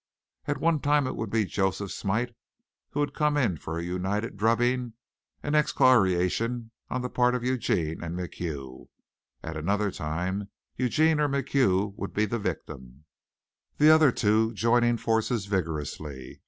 At one time it would be Joseph Smite who would come in for a united drubbing and excoriation on the part of Eugene and MacHugh. At another time Eugene or MacHugh would be the victim, the other two joining forces vigorously.